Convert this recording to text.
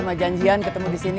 sama janjian ketemu di sini